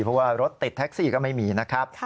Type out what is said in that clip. เพราะว่ารถติดแท็กซี่ก็ไม่มีนะครับ